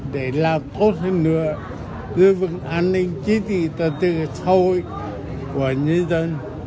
để làm tốt hơn nữa giữ vững an ninh chiến sĩ trật tự xã hội của nhân dân